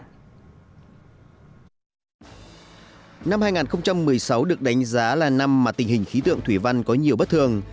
năm hai nghìn một mươi sáu được đánh giá là năm mà tình hình khí tượng thủy văn có nhiều bất thường